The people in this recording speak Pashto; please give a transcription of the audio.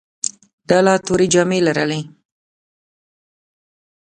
ډله تورې جامې لرلې.